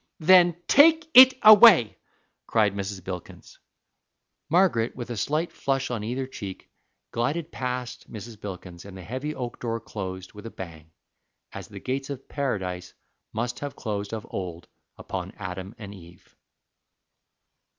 "Then take it away!" cried Mrs. Bilkins. Margaret, with a slight flush on either cheek, glided past Mrs. Bilkins, and the heavy oak door closed with a bang, as the gates of Paradise must have closed of old upon Adam and Eve.